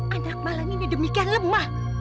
anak malam ini demikian lemah